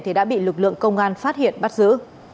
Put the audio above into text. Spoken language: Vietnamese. thì đã bị lực lượng công an phát hiện bắt giữ